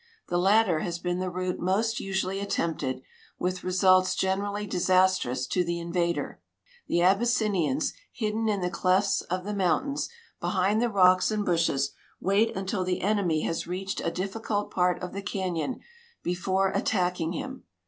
The latter has been the route most usually attempted, with results generally disastrous to the invader. The Ab}''ssinians, hidden in the clefts of the mountains, behind the rocks and bushes, wait until the enemy has reached a difficult part of the canyon before attack ing him.